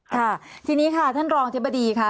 ค่ะทีนี้ค่ะท่านรองอธิบดีค่ะ